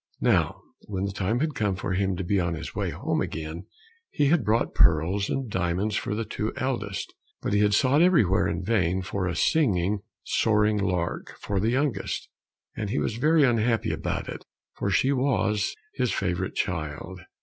Now when the time had come for him to be on his way home again, he had brought pearls and diamonds for the two eldest, but he had sought everywhere in vain for a singing, soaring lark for the youngest, and he was very unhappy about it, for she was his favorite child.